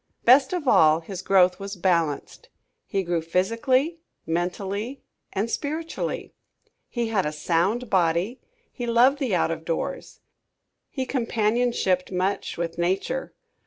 Best of all his growth was balanced. He grew physically, mentally and spiritually. He had a sound body. He loved the out of doors. He companionshiped much with nature.